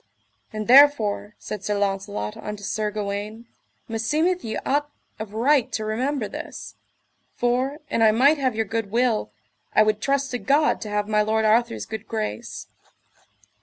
And therefore, said Sir Launcelot unto Sir Gawaine, meseemeth ye ought of right to remember this; for, an I might have your good will, I would trust to God to have my lord Arthur's good grace.